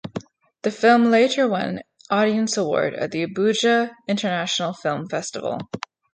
The film later won Audience Award at the Abuja International Film Festival.